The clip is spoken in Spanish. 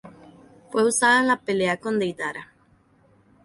Fue usada en la pelea con Deidara.